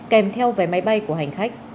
kèm theo về máy bay của hành khách